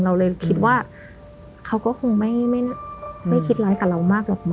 เราเลยคิดว่าเขาก็คงไม่คิดร้ายกับเรามากหรอกมั